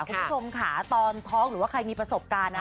คุณผู้ชมค่ะตอนท้องหรือว่าใครมีประสบการณ์นะ